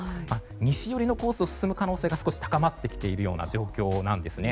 西寄りのコースを進む可能性が少し高まっている状況なんです。